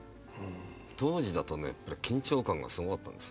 当時だとね緊張感がすごかったんです。